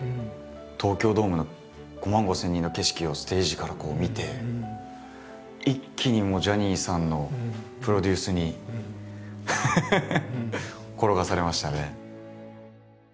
東京ドームの５万５，０００人の景色をステージからこう見て一気にジャニーさんのプロデュースに転がされましたね。